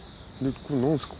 これ何ですか？